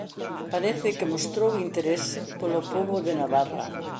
Parece que mostrou interese polo pobo de Navarra.